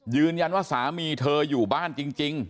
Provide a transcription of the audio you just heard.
ยืนยันว่าสามีเธออยู่บ้านจริง